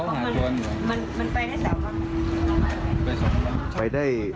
มันไปได้อย่างไร